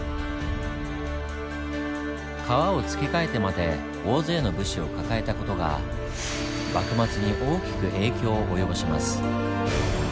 川を付け替えてまで大勢の武士を抱えた事が幕末に大きく影響を及ぼします。